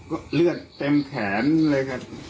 ก็เลือดเต็มแขนเลยครับ